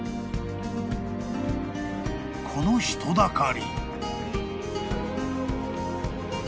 ［この人だかり］